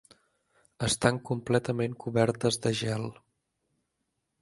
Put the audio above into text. Estan completament cobertes de gel.